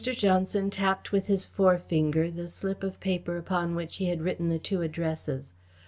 Johnson tapped with his forefinger the slip of paper upon which he had written the two addresses.